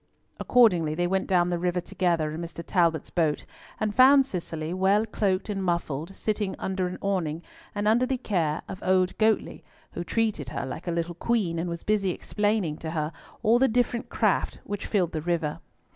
Accordingly they went down the river together in Mr. Talbot's boat, and found Cicely, well cloaked and muffled, sitting under an awning, under the care of old Goatley, who treated her like a little queen, and was busy explaining to her all the different craft which filled the river.